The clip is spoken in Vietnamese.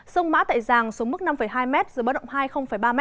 sông mã tại giàng xuống mức năm hai m giữa bão động hai ba m